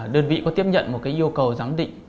đơn vị có tiếp nhận một cái yêu cầu giám định